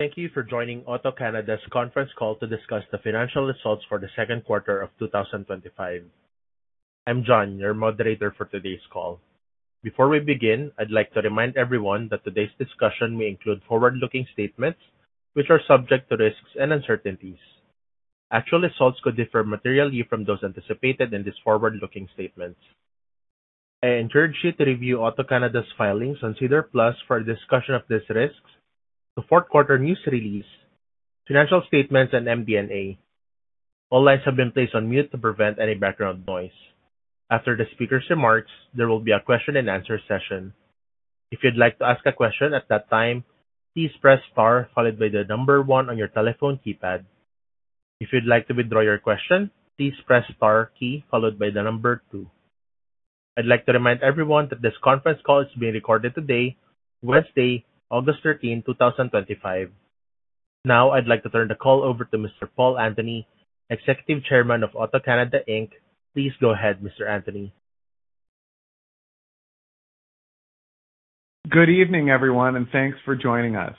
Thank you for joining AutoCanada's conference call to discuss the Financial Results for the Second Quarter of 2025. I'm John, your moderator for today's call. Before we begin, I'd like to remind everyone that today's discussion may include forward-looking statements, which are subject to risks and uncertainties. Actual results could differ materially from those anticipated in these forward-looking statements. I encourage you to review AutoCanada's filings on SEDAR+ for a discussion of these risks, the second quarter news release, financial statements, and MD&A. All lines have been placed on mute to prevent any background noise. After the speaker's remarks, there will be a question and answer session. If you'd like to ask a question at that time, please press "star" followed by the number one on your telephone keypad. If you'd like to withdraw your question, please press the "star" key followed by the number two. I'd like to remind everyone that this conference call is being recorded today, Wednesday, August 13, 2025. Now, I'd like to turn the call over to Mr. Paul Antony, Executive Chairman of AutoCanada Inc. Please go ahead, Mr. Antony. Good evening, everyone, and thanks for joining us.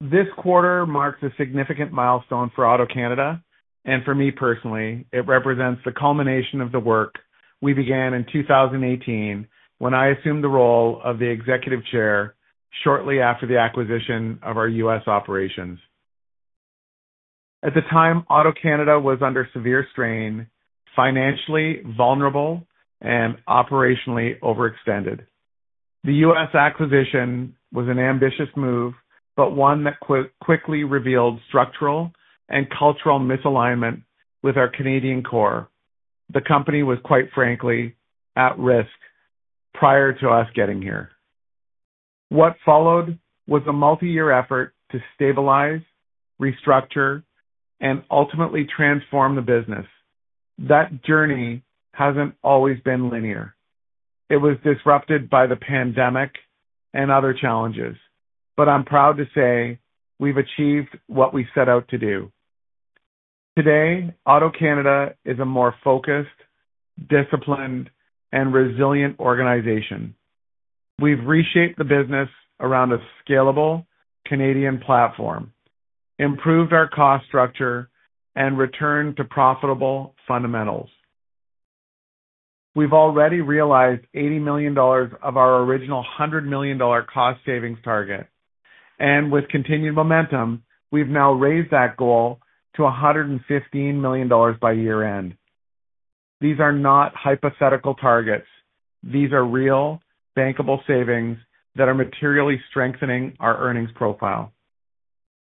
This quarter marks a significant milestone for AutoCanada, and for me personally, it represents the culmination of the work we began in 2018 when I assumed the role of the Executive Chair shortly after the acquisition of our U.S. operations. At the time, AutoCanada was under severe strain, financially vulnerable, and operationally overextended. The U.S. acquisition was an ambitious move, but one that quickly revealed structural and cultural misalignment with our Canadian core. The company was, quite frankly, at risk prior to us getting here. What followed was a multi-year effort to stabilize, restructure, and ultimately transform the business. That journey hasn't always been linear. It was disrupted by the pandemic and other challenges, but I'm proud to say we've achieved what we set out to do. Today, AutoCanada is a more focused, disciplined, and resilient organization. We've reshaped the business around a scalable Canadian platform, improved our cost structure, and returned to profitable fundamentals. We've already realized $80 million of our original $100 million cost savings target, and with continued momentum, we've now raised that goal to $115 million by year-end. These are not hypothetical targets; these are real, bankable savings that are materially strengthening our earnings profile.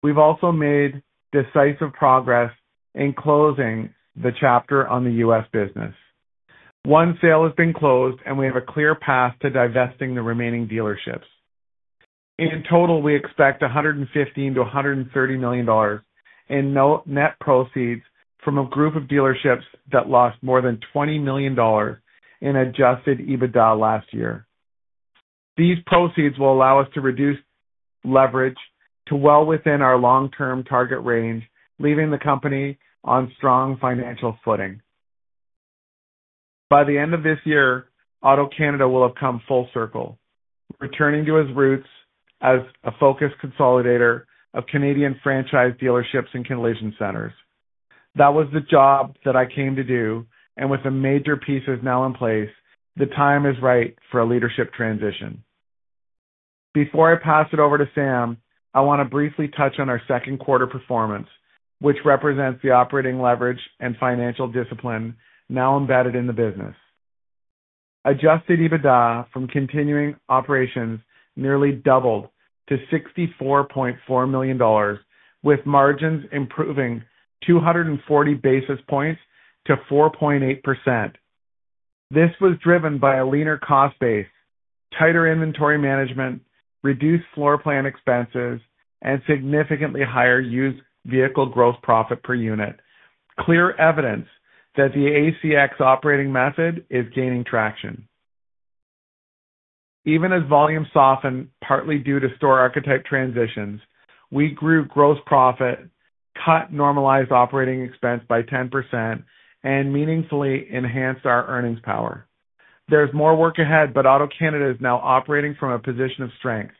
We've also made decisive progress in closing the chapter on the U.S. business. One sale has been closed, and we have a clear path to divesting the remaining dealerships. In total, we expect $115 million-$130 million in net proceeds from a group of dealerships that lost more than $20 million in adjusted EBITDA last year. These proceeds will allow us to reduce leverage to well within our long-term target range, leaving the company on strong financial footing. By the end of this year, AutoCanada will have come full circle, returning to its roots as a focused consolidator of Canadian franchise dealerships and collision centers. That was the job that I came to do, and with the major pieces now in place, the time is right for a leadership transition. Before I pass it over to Sam, I want to briefly touch on our second quarter performance, which represents the operating leverage and financial discipline now embedded in the business. Adjusted EBITDA from continuing operations nearly doubled to $64.4 million, with margins improving 240 basis points to 4.8%. This was driven by a leaner cost base, tighter inventory management, reduced floor plan expenses, and significantly higher used vehicle gross profit per unit, clear evidence that the ACX operating method is gaining traction. Even as volumes soften, partly due to store archetype transitions, we grew gross profit, cut normalized operating expense by 10%, and meaningfully enhanced our earnings power. There is more work ahead, but AutoCanada is now operating from a position of strength.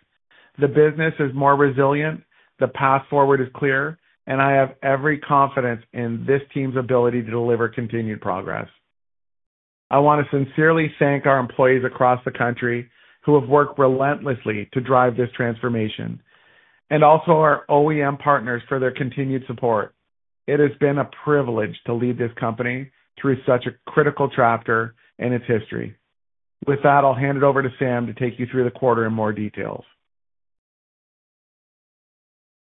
The business is more resilient, the path forward is clear, and I have every confidence in this team's ability to deliver continued progress. I want to sincerely thank our employees across the country who have worked relentlessly to drive this transformation, and also our OEM partners for their continued support. It has been a privilege to lead this company through such a critical chapter in its history. With that, I'll hand it over to Sam to take you through the quarter in more details.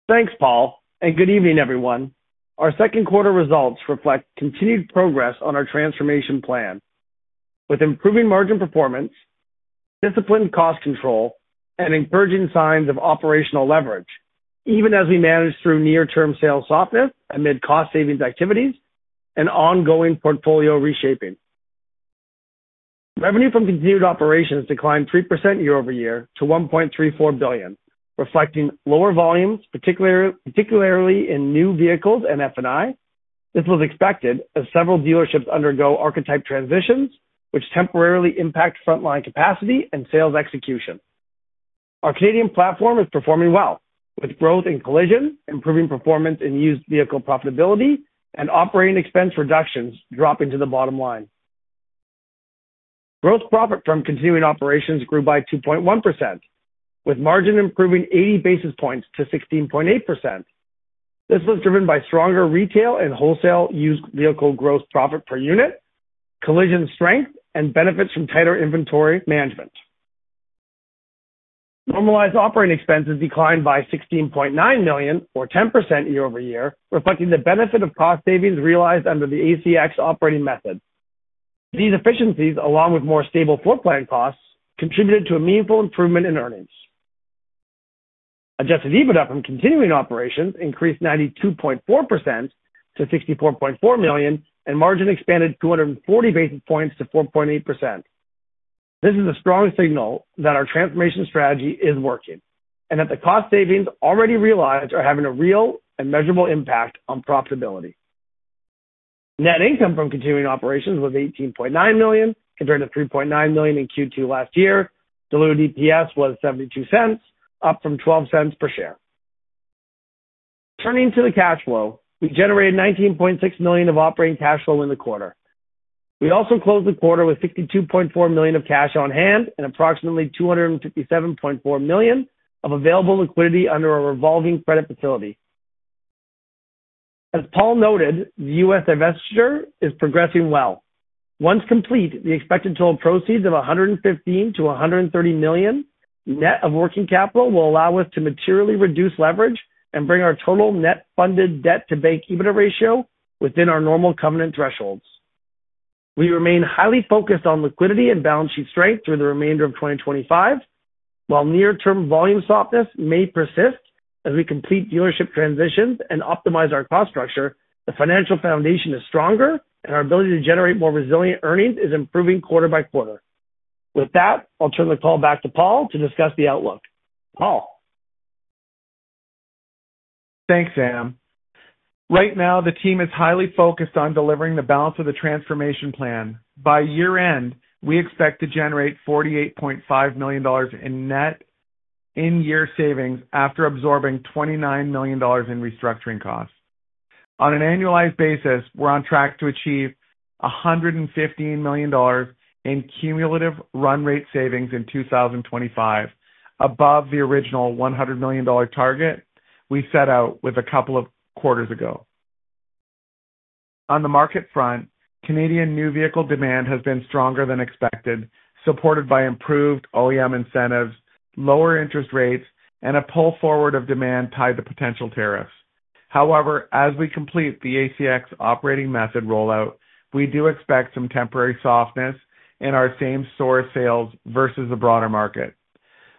Thanks, Paul, and good evening, everyone. Our second quarter results reflect continued progress on our transformation plan, with improving margin performance, disciplined cost control, and encouraging signs of operational leverage, even as we manage through near-term sales softness amid cost savings activities and ongoing portfolio reshaping. Revenue from continuing operations declined 3% year-over-year to $1.34 billion, reflecting lower volumes, particularly in new vehicles and F&I. This was expected as several dealerships undergo archetype transitions, which temporarily impact frontline capacity and sales execution. Our Canadian platform is performing well, with growth in collision, improving performance in used vehicle profitability, and operating expense reductions dropping to the bottom line. Gross profit from continuing operations grew by 2.1%, with margin improving 80 basis points to 16.8%. This was driven by stronger retail and wholesale used vehicle gross profit per unit, collision strength, and benefits from tighter inventory management. Normalized operating expenses declined by $16.9 million, or 10% year-over-year, reflecting the benefit of cost savings realized under the ACX Operating Method. These efficiencies, along with more stable floor plan costs, contributed to a meaningful improvement in earnings. Adjusted EBITDA from continuing operations increased 92.4% to $64.4 million, and margin expanded 240 basis points to 4.8%. This is a strong signal that our transformation strategy is working and that the cost savings already realized are having a real and measurable impact on profitability. Net income from continuing operations was $18.9 million compared to $3.9 million in Q2 last year. Diluted EPS was $0.72, up from $0.12 per share. Turning to the cash flow, we generated $19.6 million of operating cash flow in the quarter. We also closed the quarter with $62.4 million of cash on hand and approximately $257.4 million of available liquidity under a revolving credit facility. As Paul noted, the U.S. divestiture is progressing well. Once complete, the expected total proceeds of $115 million-$130 million net of working capital will allow us to materially reduce leverage and bring our total net funded debt-to-bank EBITDA ratio within our normal covenant thresholds. We remain highly focused on liquidity and balance sheet strength through the remainder of 2025. While near-term volume softness may persist as we complete dealership transitions and optimize our cost structure, the financial foundation is stronger and our ability to generate more resilient earnings is improving quarter by quarter. With that, I'll turn the call back to Paul to discuss the outlook. Paul. Thanks, Sam. Right now, the team is highly focused on delivering the balance of the transformation plan. By year-end, we expect to generate $48.5 million in net in-year savings after absorbing $29 million in restructuring costs. On an annualized basis, we're on track to achieve $115 million in cumulative run rate savings in 2025, above the original $100 million target we set out with a couple of quarters ago. On the market front, Canadian new vehicle demand has been stronger than expected, supported by improved OEM incentives, lower interest rates, and a pull forward of demand tied to potential tariffs. However, as we complete the ACX operating method rollout, we do expect some temporary softness in our same source sales versus the broader market.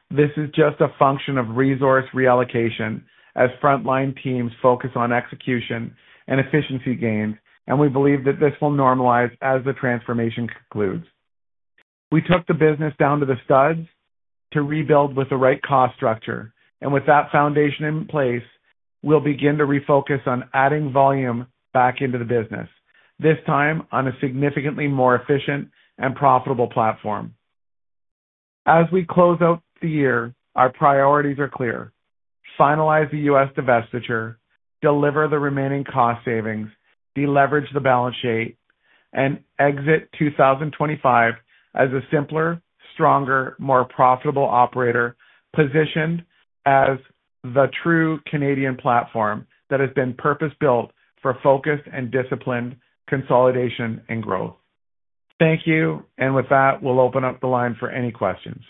This is just a function of resource reallocation as frontline teams focus on execution and efficiency gains, and we believe that this will normalize as the transformation concludes. We took the business down to the studs to rebuild with the right cost structure, and with that foundation in place, we'll begin to refocus on adding volume back into the business, this time on a significantly more efficient and profitable platform. As we close out the year, our priorities are clear: finalize the U.S. divestiture, deliver the remaining cost savings, deleverage the balance sheet, and exit 2025 as a simpler, stronger, more profitable operator positioned as the true Canadian platform that has been purpose-built for focused and disciplined consolidation and growth. Thank you, and with that, we'll open up the line for any questions.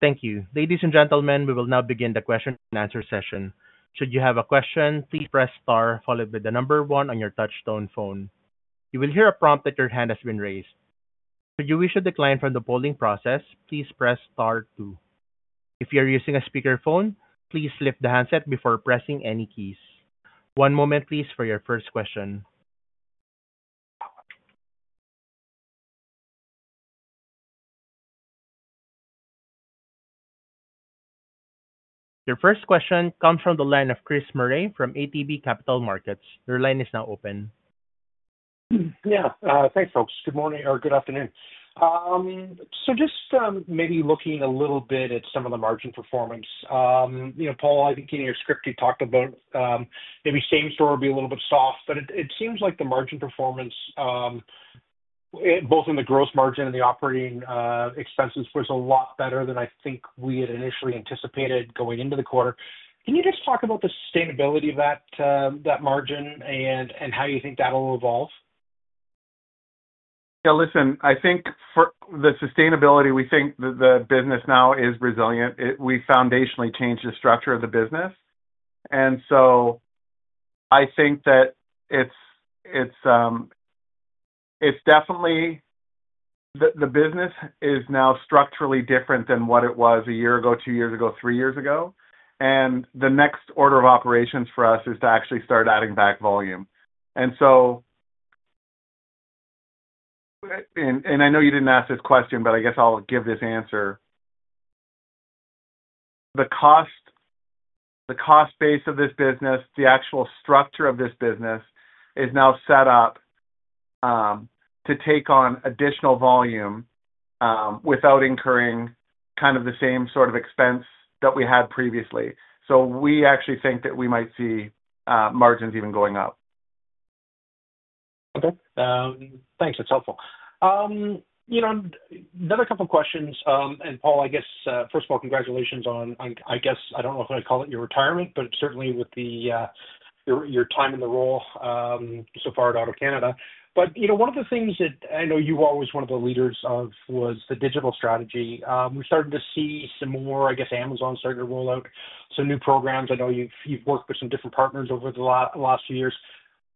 Thank you. Ladies and gentlemen, we will now begin the question and answer session. Should you have a question, please press "star" followed by the number one on your touch-tone phone. You will hear a prompt that your hand has been raised. Should you wish to decline from the polling process, please press "star" two. If you are using a speakerphone, please lift the handset before pressing any keys. One moment, please, for your first question. Your first question comes from the line of Chris Murray from ATB Capital Markets. Your line is now open. Yeah, thanks, folks. Good morning or good afternoon. Maybe looking a little bit at some of the margin performance. You know, Paul, I think in your script you talked about maybe same store would be a little bit soft, but it seems like the margin performance, both in the gross margin and the operating expenses, was a lot better than I think we had initially anticipated going into the quarter. Can you just talk about the sustainability of that margin and how you think that'll evolve? Yeah, listen, I think for the sustainability, we think that the business now is resilient. We foundationally changed the structure of the business. I think that it's definitely the business is now structurally different than what it was a year ago, two years ago, three years ago. The next order of operations for us is to actually start adding back volume. I know you didn't ask this question, but I guess I'll give this answer. The cost, the cost base of this business, the actual structure of this business is now set up to take on additional volume without incurring kind of the same sort of expense that we had previously. We actually think that we might see margins even going up. Okay, thanks. That's helpful. You know, another couple of questions. Paul, I guess, first of all, congratulations on, I guess, I don't know if I'd call it your retirement, but certainly with your time in the role so far at AutoCanada. One of the things that I know you were always one of the leaders of was the digital strategy. We started to see some more, I guess, Amazon started to roll out some new programs. I know you've worked with some different partners over the last few years.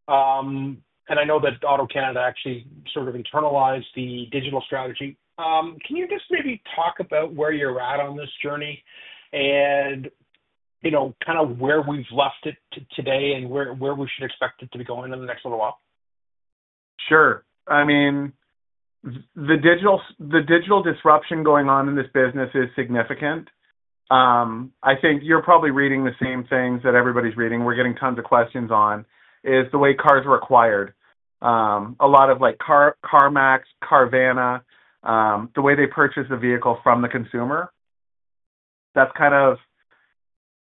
I know that AutoCanada actually sort of internalized the digital strategy. Can you just maybe talk about where you're at on this journey and, you know, kind of where we've left it today and where we should expect it to be going in the next little while? Sure. I mean, the digital disruption going on in this business is significant. I think you're probably reading the same things that everybody's reading. We're getting tons of questions on is the way cars are acquired. A lot of like CarMax, Carvana, the way they purchase the vehicle from the consumer, that's kind of,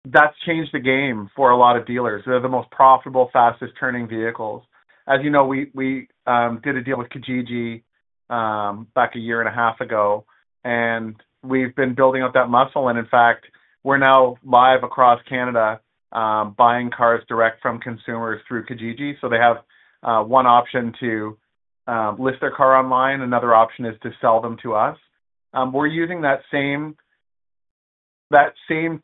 that's changed the game for a lot of dealers. They're the most profitable, fastest turning vehicles. As you know, we did a deal with Kijiji back a year and a half ago, and we've been building up that muscle. In fact, we're now live across Canada, buying cars direct from consumers through Kijiji. They have one option to list their car online. Another option is to sell them to us. We're using that same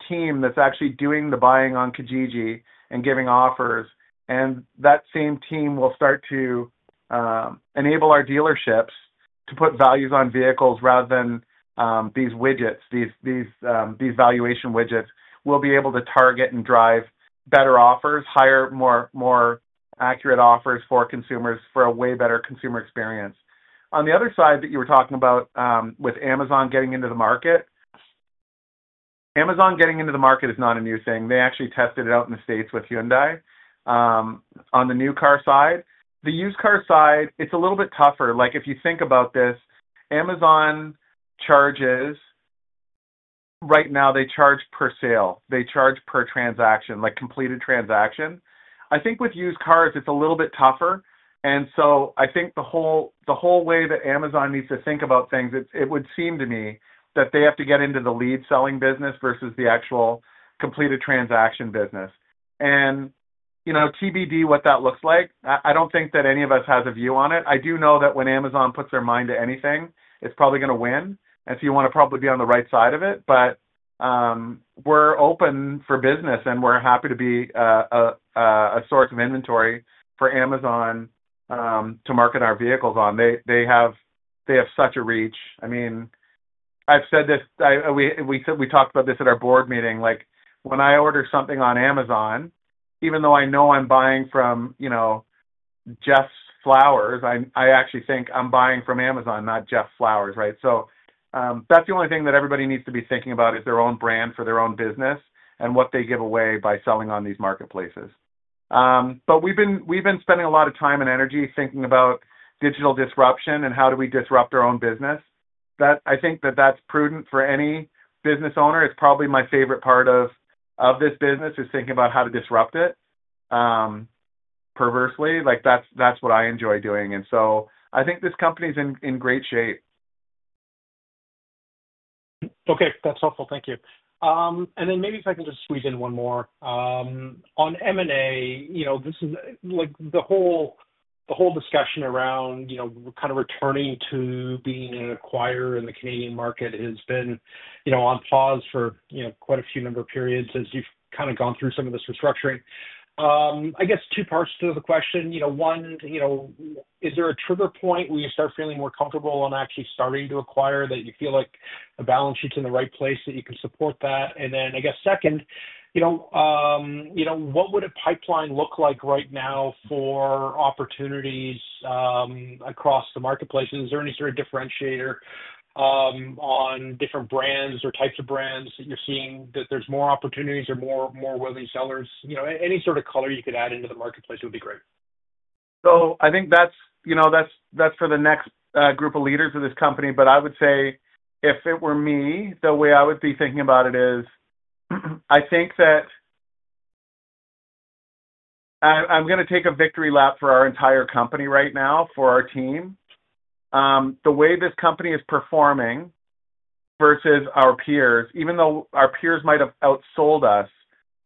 team that's actually doing the buying on Kijiji and giving offers. That same team will start to enable our dealerships to put values on vehicles rather than these widgets, these valuation widgets. We'll be able to target and drive better offers, higher, more accurate offers for consumers for a way better consumer experience. On the other side that you were talking about, with Amazon getting into the market, Amazon getting into the market is not a new thing. They actually tested it out in the U.S. with Hyundai on the new car side. The used car side, it's a little bit tougher. If you think about this, Amazon charges right now, they charge per sale. They charge per transaction, like completed transaction. I think with used cars, it's a little bit tougher. I think the whole way that Amazon needs to think about things, it would seem to me that they have to get into the lead selling business vs the actual completed transaction business. You know, TBD, what that looks like, I don't think that any of us has a view on it. I do know that when Amazon puts their mind to anything, it's probably going to win. You want to probably be on the right side of it. We're open for business and we're happy to be a source of inventory for Amazon to market our vehicles on. They have such a reach. I mean, I've said this, we talked about this at our board meeting. When I order something on Amazon, even though I know I'm buying from, you know, Jeff's Flowers, I actually think I'm buying from Amazon, not Jeff Flowers, right? That's the only thing that everybody needs to be thinking about, their own brand for their own business and what they give away by selling on these marketplaces. We've been spending a lot of time and energy thinking about digital disruption and how do we disrupt our own business. I think that that's prudent for any business owner. It's probably my favorite part of this business, thinking about how to disrupt it, perversely. That's what I enjoy doing. I think this company's in great shape. Okay, that's helpful. Thank you. Maybe if I can just squeeze in one more, on M&A, this is like the whole discussion around kind of returning to being an acquirer in the Canadian market has been on pause for quite a few number of periods as you've kind of gone through some of this restructuring. I guess two parts to the question. One, is there a trigger point where you start feeling more comfortable on actually starting to acquire that you feel like the balance sheet's in the right place that you can support that? I guess second, what would a pipeline look like right now for opportunities across the marketplace? Is there any sort of differentiator on different brands or types of brands that you're seeing, that there's more opportunities or more willing sellers? Any sort of color you could add into the marketplace would be great. I think that's for the next group of leaders of this company. I would say if it were me, the way I would be thinking about it is, I think that I'm going to take a victory lap for our entire company right now for our team. The way this company is performing versus our peers, even though our peers might have outsold us,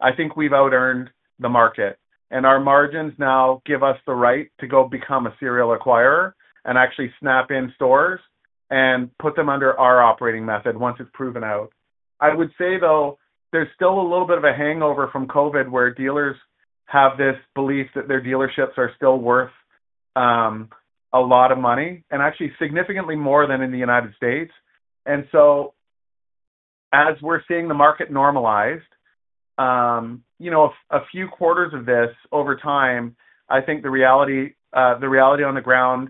I think we've out-earned the market. Our margins now give us the right to go become a serial acquirer and actually snap in stores and put them under our operating method once it's proven out. I would say, though, there's still a little bit of a hangover from COVID where dealers have this belief that their dealerships are still worth a lot of money and actually significantly more than in the United States. As we're seeing the market normalize, a few quarters of this over time, I think the reality on the ground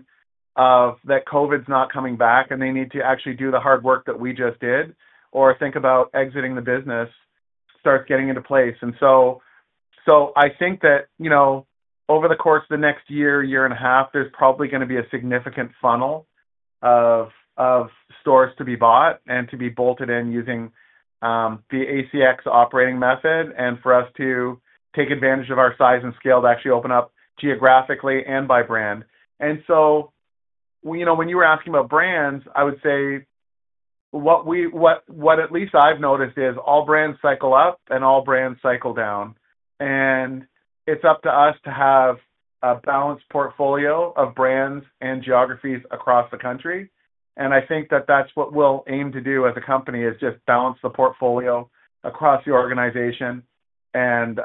of that COVID's not coming back and they need to actually do the hard work that we just did or think about exiting the business starts getting into place. I think that over the course of the next year, year and a half, there's probably going to be a significant funnel of stores to be bought and to be bolted in using the ACX Operating Method and for us to take advantage of our size and scale to actually open up geographically and by brand. When you were asking about brands, I would say what at least I've noticed is all brands cycle up and all brands cycle down. It's up to us to have a balanced portfolio of brands and geographies across the country. I think that that's what we'll aim to do as a company, just balance the portfolio across the organization and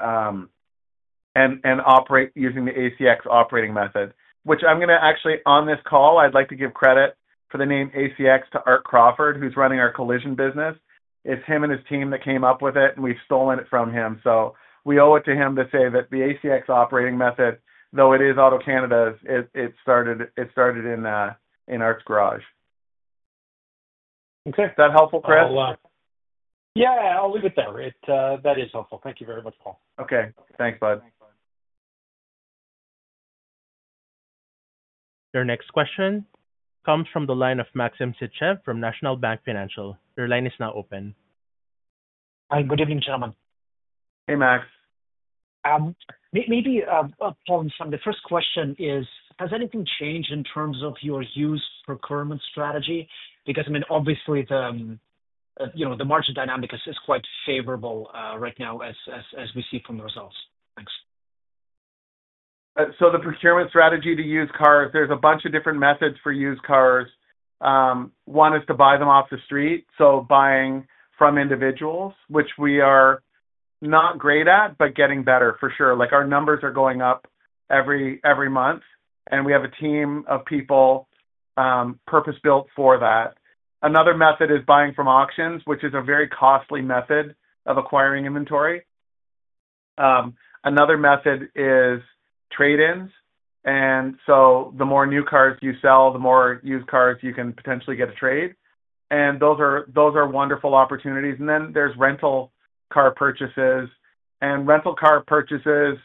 operate using the ACX Operating Method, which I'm going to actually, on this call, I'd like to give credit for the name ACX to Art Crawford, who's running our collision business. It's him and his team that came up with it, and we've stolen it from him. We owe it to him to say that the ACX Operating Method, though it is AutoCanada's, it started in Art's garage. Yeah, I'll leave it there. That is helpful. Thank you very much, Paul. Our next question comes from the line of Maxim Sytchev from National Bank Financial. Your line is now open. Hi, good evening, gentlemen. Maybe, Paul, the first question is, has anything changed in terms of your used procurement strategy? Because, I mean, obviously, the margin dynamic is quite favorable right now as we see from the results. Thanks. The procurement strategy to used cars, there's a bunch of different methods for used cars. One is to buy them off the street, so buying from individuals, which we are not great at, but getting better for sure. Our numbers are going up every month. We have a team of people, purpose-built for that. Another method is buying from auctions, which is a very costly method of acquiring inventory. Another method is trade-ins. The more new cars you sell, the more used cars you can potentially get as a trade. Those are wonderful opportunities. Then there's rental car purchases. Rental car purchases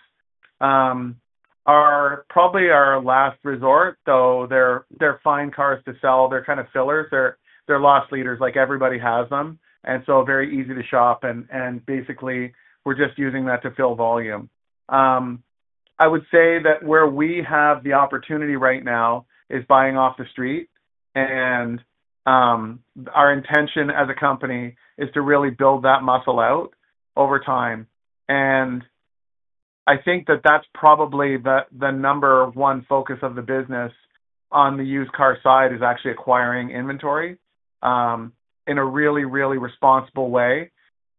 are probably our last resort, though they're fine cars to sell. They're kind of fillers. They're loss leaders, like everybody has them. Very easy to shop. Basically, we're just using that to fill volume. I would say that where we have the opportunity right now is buying off the street. Our intention as a company is to really build that muscle out over time. I think that that's probably the number one focus of the business on the used car side is actually acquiring inventory in a really, really responsible way.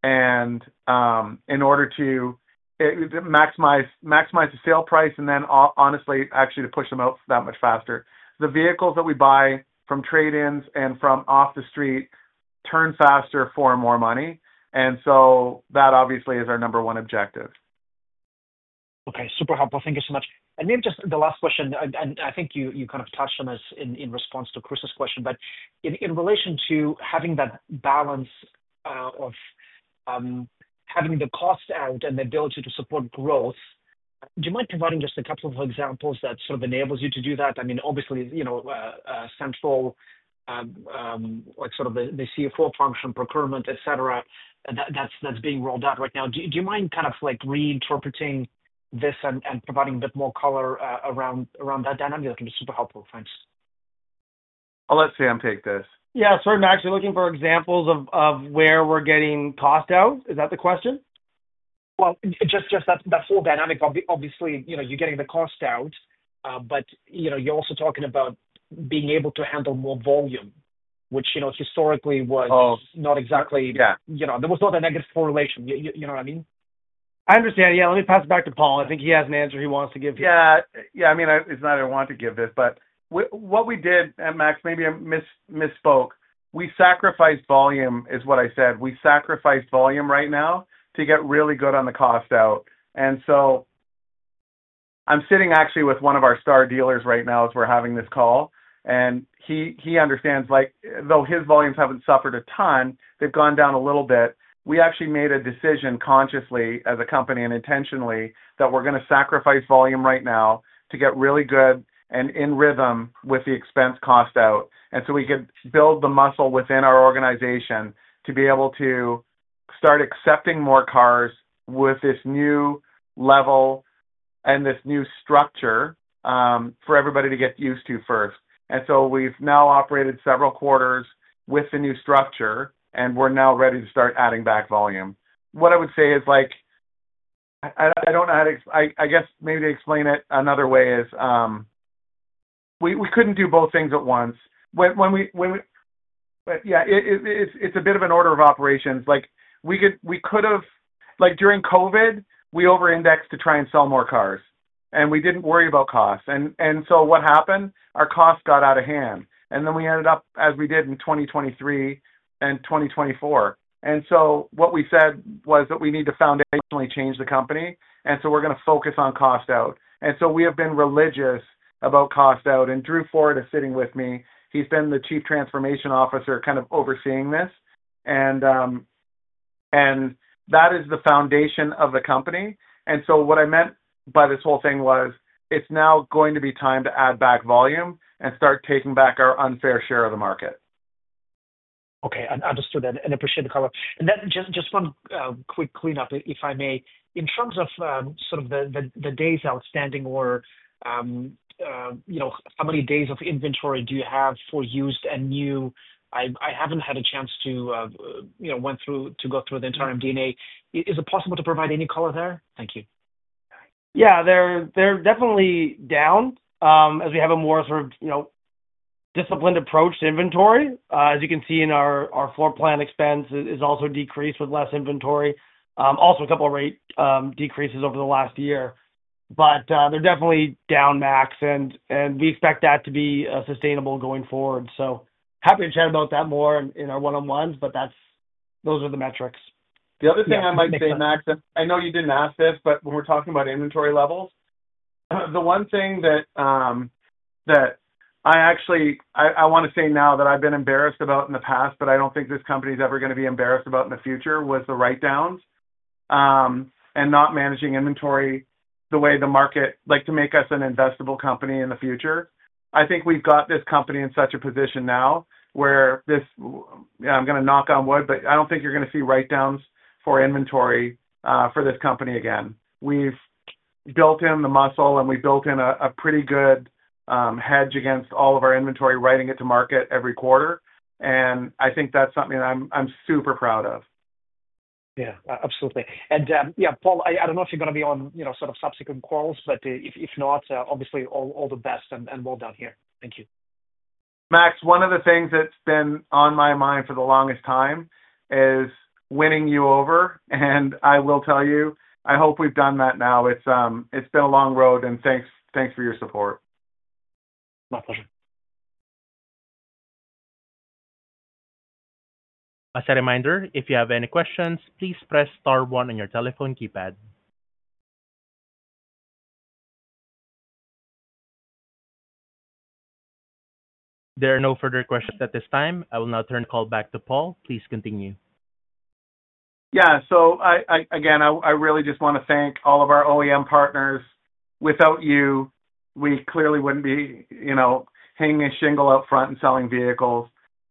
In order to maximize the sale price and then honestly, actually to push them out that much faster. The vehicles that we buy from trade-ins and from off the street turn faster for more money. That obviously is our number one objective. Okay, super helpful. Thank you so much. Maybe just the last question, I think you kind of touched on this in response to Chris question, but in relation to having that balance of having the cost out and the ability to support growth, do you mind providing just a couple of examples that sort of enable you to do that? I mean, obviously, you know, central, like sort of the CFO function, procurement, et cetera, that's being rolled out right now. Do you mind kind of like reinterpreting this and providing a bit more color around that dynamic? That can be super helpful, thanks. I'll let Sam take this. I'm actually looking for examples of where we're getting cost out. Is that the question? You're getting the cost out, but you're also talking about being able to handle more volume, which historically was not exactly, there was not a negative correlation, you know what I mean? I understand. Let me pass it back to Paul. I think he has an answer he wants to give here. Yeah. I mean, it's not I want to give this, but what we did, and Max, maybe I misspoke, we sacrificed volume is what I said. We sacrificed volume right now to get really good on the cost out. I'm sitting actually with one of our star dealers right now as we're having this call. He understands, like, though his volumes haven't suffered a ton, they've gone down a little bit. We actually made a decision consciously as a company and intentionally that we're going to sacrifice volume right now to get really good and in rhythm with the expense cost out. We could build the muscle within our organization to be able to start accepting more cars with this new level and this new structure, for everybody to get used to first. We've now operated several quarters with the new structure, and we're now ready to start adding back volume. What I would say is, I don't know how to, I guess maybe to explain it another way is, we couldn't do both things at once. It's a bit of an order of operations. We could have, like during COVID, we over-indexed to try and sell more cars. We didn't worry about costs. What happened? Our costs got out of hand. We ended up, as we did in 2023 and 2024. What we said was that we need to foundationally change the company. We're going to focus on cost out. We have been religious about cost out. Drew Ford is sitting with me. He's been the Chief Transformation Officer kind of overseeing this. That is the foundation of the company. What I meant by this whole thing was it's now going to be time to add back volume and start taking back our unfair share of the market. Okay, I understood that and appreciate the color. Just one quick cleanup, if I may, in terms of the days outstanding or, you know, how many days of inventory do you have for used and new? I haven't had a chance to go through the entire MD&A. Is it possible to provide any color there? Thank you. Yeah, they're definitely down as we have a more, sort of, you know, disciplined approach to inventory. As you can see in our floor plan expense, it's also decreased with less inventory. Also, a couple of rate decreases over the last year. They're definitely down, Max, and we expect that to be sustainable going forward. Happy to chat about that more in our one-on-ones, but those are the metrics. The other thing I might say, Max, and I know you didn't ask this, but when we're talking about inventory levels, the one thing that I actually want to say now that I've been embarrassed about in the past, but I don't think this company's ever going to be embarrassed about in the future, was the write-downs and not managing inventory the way the market, like to make us an investable company in the future. I think we've got this company in such a position now where this, yeah, I'm going to knock on wood, but I don't think you're going to see write-downs for inventory for this company again. We've built in the muscle and we've built in a pretty good hedge against all of our inventory, writing it to market every quarter. I think that's something that I'm super proud of. Absolutely. Paul, I don't know if you're going to be on subsequent calls, but if not, obviously all the best and well done here. Thank you. Max, one of the things that's been on my mind for the longest time is winning you over. I will tell you, I hope we've done that now. It's been a long road, and thanks for your support. As a reminder, if you have any questions, please press star one on your telephone keypad. There are no further questions at this time. I will now turn the call back to Paul. Please continue. Yeah, so again, I really just want to thank all of our OEM partners. Without you, we clearly wouldn't be, you know, hanging a shingle up front and selling vehicles.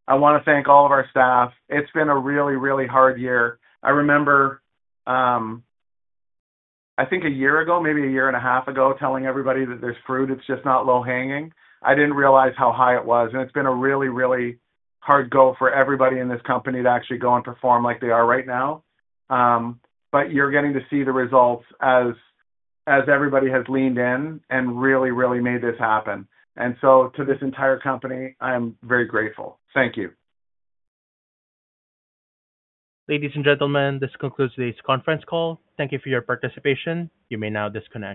I want to thank all of our staff. It's been a really, really hard year. I remember, I think a year ago, maybe a year and a half ago, telling everybody that there's fruit, it's just not low hanging. I didn't realize how high it was. It's been a really, really hard go for everybody in this company to actually go and perform like they are right now. You're getting to see the results as everybody has leaned in and really, really made this happen. To this entire company, I'm very grateful. Thank you. Ladies and gentlemen, this concludes today's conference call. Thank you for your participation. You may now disconnect.